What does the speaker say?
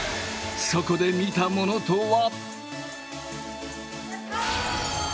そこで見たものとは？